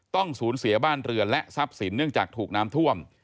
ต้องสูญเสียบ้านเรือนและทรัพย์สินเนื่องจากถูกน้ำท่วม